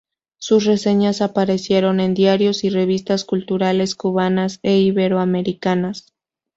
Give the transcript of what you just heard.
Sus reseñas aparecieron en diarios y revistas culturales cubanas e iberoamericanas.